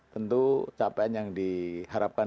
tentu capaian yang diharapkan